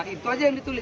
itu aja yang ditulis